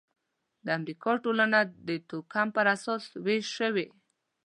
د امریکا ټولنه د توکم پر اساس وېش شوې.